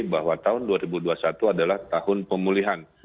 bahwa tahun dua ribu dua puluh satu adalah tahun pemulihan